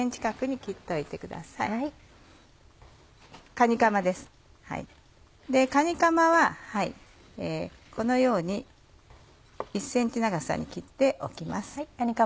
かにかまはこのように１ｃｍ長さに切っておきます。